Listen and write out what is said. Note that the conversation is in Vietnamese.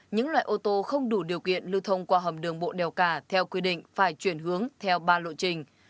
những loại ô tô không đủ điều kiện lưu thông qua hầm đường bộ đèo cả theo quy định phải chuyển hướng theo ba lộ trình